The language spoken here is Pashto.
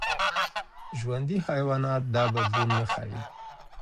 ژوندي حیوانات دا بدلون نه ښيي.